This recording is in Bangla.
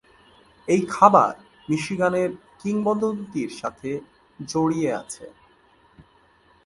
এই খাবার মিশিগানের কিংবদন্তির সাথে জড়িয়ে আছে।